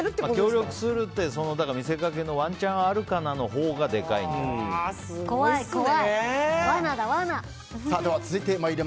協力するは見せかけのワンチャンあるかな？のほうがすごいですね。